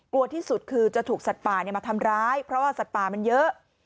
ที่สุดคือจะถูกสัตว์ป่ามาทำร้ายเพราะว่าสัตว์ป่ามันเยอะ